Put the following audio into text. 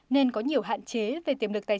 nên có nhiều hạn chế về tiềm lực tài